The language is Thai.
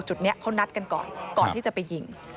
จุดนี้เขานัดกันก่อนก่อนที่จะไปยิง